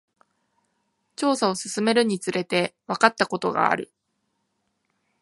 調査を進めるにつれて、わかったことがある。